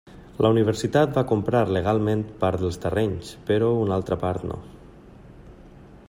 La universitat va comprar legalment part dels terrenys, però una altra part no.